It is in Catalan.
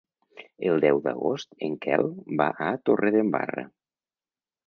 El deu d'agost en Quel va a Torredembarra.